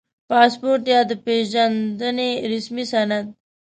• پاسپورټ یا د پېژندنې رسمي سند